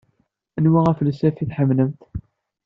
Anwa afelsaf i tḥemmlemt?